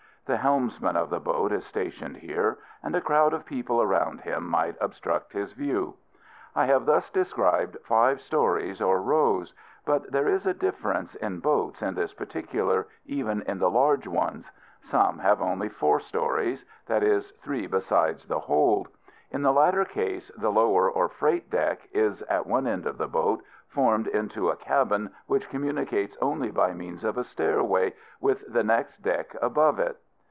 The helmsman of the boat is stationed here, and a crowd of people around him might obstruct his view. I have thus described five stories or rows; but there is a difference in boats in this particular, even in the large ones. Some have only four stories that is, three besides the hold. In the latter case, the lower or freight deck is at one end of the boat, formed into a cabin which communicates only by means of a stairway with the next deck above it.